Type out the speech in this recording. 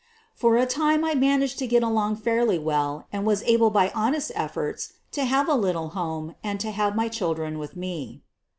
For a time I managed to get along fairly well and was able by honest efforts to have a little home and to have my children with me.